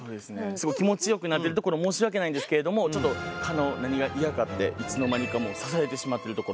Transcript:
すごい気持ちよくなってるところ申し訳ないんですけれどもちょっと蚊の何が嫌かっていつの間にか刺されてしまってるところ。